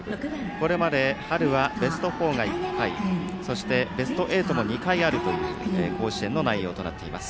これまで春はベスト４が１回そしてベスト８も２回あるという甲子園の内容となっています。